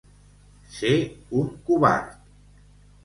Ser un covard.